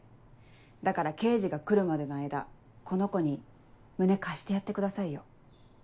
だから刑事が来るまでの間この子に胸貸してやってくださいよ。